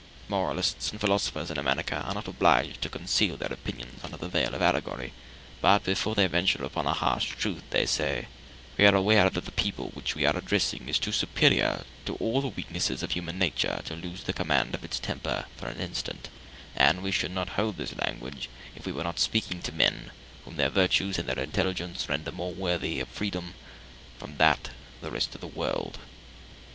Moralists and philosophers in America are not obliged to conceal their opinions under the veil of allegory; but, before they venture upon a harsh truth, they say, "We are aware that the people which we are addressing is too superior to all the weaknesses of human nature to lose the command of its temper for an instant; and we should not hold this language if we were not speaking to men whom their virtues and their intelligence render more worthy of freedom than all the rest of the world."